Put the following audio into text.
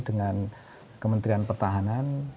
dengan kementerian pertahanan